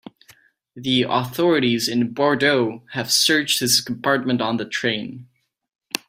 The authorities in Bordeaux have searched his compartment on the train.